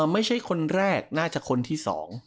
ไม่ใช่คนแรกน่าจะคนที่๒